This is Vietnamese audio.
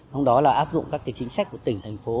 hôm đó là áp dụng các cái chính sách của tỉnh thành phố